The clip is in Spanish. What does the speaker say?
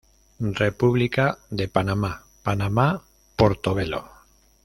República de Panamá: Panamá, Portobelo.